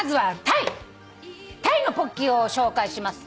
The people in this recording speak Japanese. タイのポッキーを紹介します。